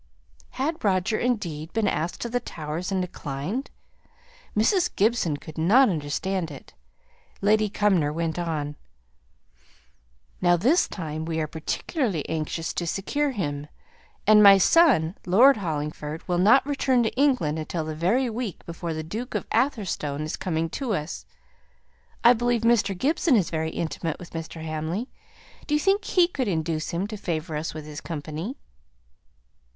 Had Roger indeed been asked to the Towers and declined? Mrs. Gibson could not understand it. Lady Cumnor went on "Now this time we are particularly anxious to secure him, and my son Lord Hollingford will not return to England until the very week before the Duke of Atherstone is coming to us. I believe Mr. Gibson is very intimate with Mr. Hamley; do you think he could induce him to favour us with his company?"